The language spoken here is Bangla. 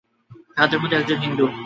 তাঁহাদের মধ্যে একজন হিন্দু, অপরজন জৈন।